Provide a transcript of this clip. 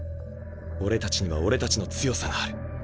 俺たちには俺たちの強さがある。